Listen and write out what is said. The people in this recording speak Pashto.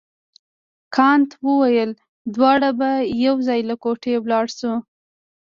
کانت وویل دواړه به یو ځای له کوټې ولاړ شو.